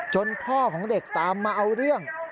พ่อของเด็กตามมาเอาเรื่อง